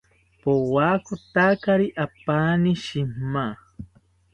Powakotakiri apani shima